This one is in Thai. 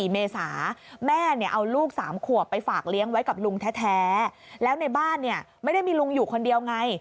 เมษาแม่เอาลูก๓ขวบไปฝากเลี้ยงไว้กับลุงแท้แล้วในบ้านเนี่ยไม่ได้มีลุงอยู่คนเดียวไง